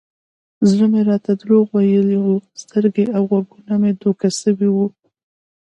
زړه مې راته دروغ ويلي و سترګې او غوږونه مې دوکه سوي وو.